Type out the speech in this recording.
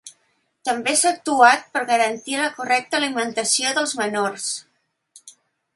També s’ha actuat per a garantir la correcta alimentació dels menors.